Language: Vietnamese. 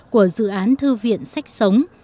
của dự án thư viện sách sống